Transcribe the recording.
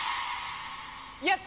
やった！